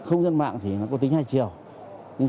không gian mạng thì có tính hai chiều